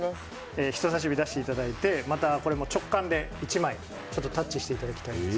人さし指を出していただいてまた、これも直感で１枚でタッチしていただきたいです。